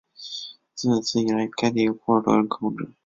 自此以来该地由库尔德人控制。